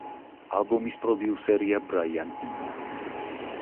ალბომის პროდიუსერია ბრაიან ინო.